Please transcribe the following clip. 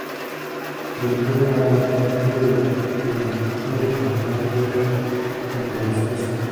La victoria más notable del equipo en el torneo fue frente a Escocia.